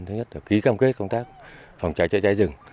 thứ nhất là ký cam kết công tác phòng cháy chữa cháy rừng